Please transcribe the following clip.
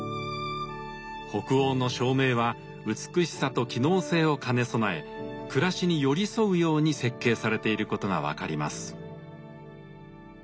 北欧の照明は美しさと機能性を兼ね備え暮らしに寄り添うように設計されていることが分かります。